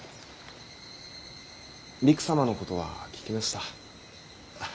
りく様のことは聞きました。